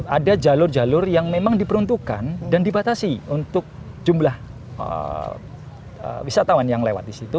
ada jalur jalur yang memang diperuntukkan dan dibatasi untuk jumlah wisatawan yang lewat di situ